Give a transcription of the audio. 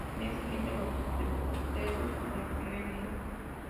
Al día siguiente lo sucede como primer ministro.